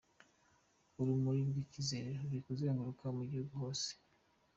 Urumuri rw’ikizere ruri kuzenguruka mu gihugu hose.